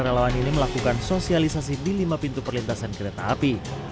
relawan ini melakukan sosialisasi di lima pintu perlintasan kereta api